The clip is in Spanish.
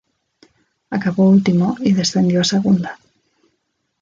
Acabó último y descendió a Segunda.